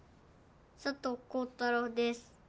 佐藤光太郎です。